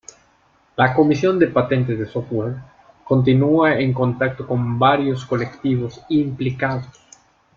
La Comisión de Patentes de Software continúa en contacto con varios colectivos implicados.